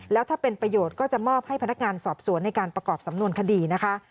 แล้วถ้าเป็นประโยชน์ก็จะมอบให้พนักงานสอบสวนในการประกอบสำนวนคดีนะคะ